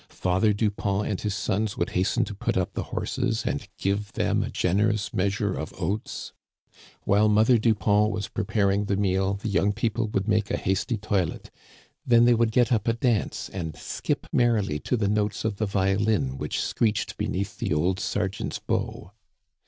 Father Dupont and his sons would hasten to put up the horses and give them a generous measure of oats. While Mother Dupont was preparing the meal, the young people would make a hasty toilet. Then they would get up a dance, and skip mer rily to the notes: of the violin which screeched beneath the old sergeant's bow.